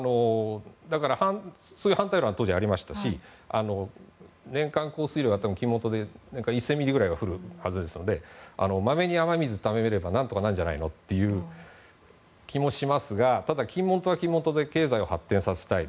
だから、そういう反対は当然ありましたし年間降水量が金門島でも１０００ミリくらいは降るはずですのでまめに雨水をためれば何とかなるんじゃないのという気もしますがただ、金門島は金門島で経済を発展させたいと。